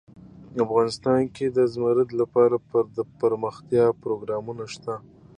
افغانستان کې د زمرد لپاره دپرمختیا پروګرامونه شته.